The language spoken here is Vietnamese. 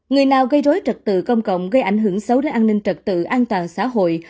người nào gây rối trật tự công cộng gây ảnh hưởng xấu đến an ninh trật tự an toàn xã hội